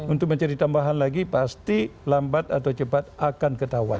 untuk mencari tambahan lagi pasti lambat atau cepat akan ketahuan